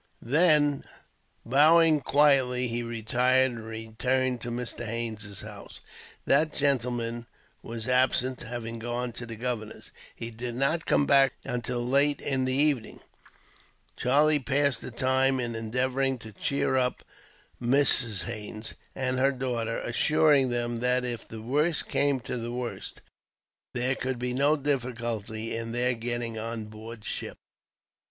Then, bowing quietly, he retired; and returned to Mr. Haines' house. That gentleman was absent, having gone to the governor's. He did not come back until late in the evening. Charlie passed the time in endeavouring to cheer up Mrs. Haines, and her daughter; assuring them that, if the worst came to the worst, there could be no difficulty in their getting on board ship.